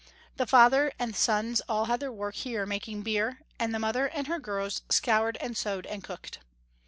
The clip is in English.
The father and the sons all had their work here making beer, and the mother and her girls scoured and sewed and cooked.